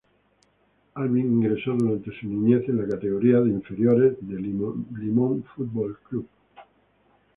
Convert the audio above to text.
Alvin ingresó durante su niñez en las categorías inferiores de Limón Fútbol Club.